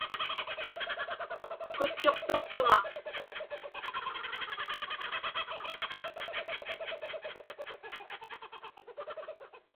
Kutchuqtuqtuŋa.